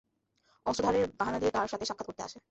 অস্ত্র ধারের বাহানা দিয়ে তার সাথে সাক্ষাৎ করতে আসে।